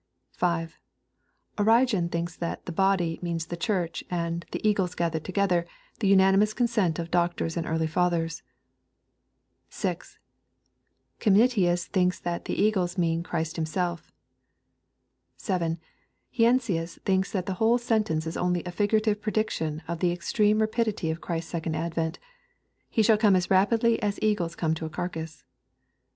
5. Origen thinks that " the body" means the Church, and " the eagles gathered together," the unanimous consent of doctors and early fathers. 6. Chemnitius thinks that "the eagles" mean Christ Him self 7. Heinsius thinks that the whole sentence is only a figurative prediction of the extreme rapidity of Christ's second advent He shall come as rapidly as eagles come to a carcase.